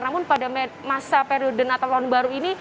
namun pada masa periode natal tahun baru ini